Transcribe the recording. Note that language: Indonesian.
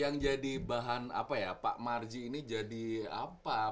yang jadi bahan apa ya pak marji ini jadi apa